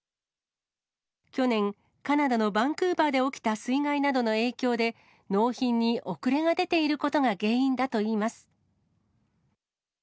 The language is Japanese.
去年、カナダのバンクーバーで起きた水害などの影響で、納品に遅れが出ていることが原因だといいます。